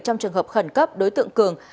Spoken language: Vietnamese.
trong trường hợp khẩn cấp đối tượng cường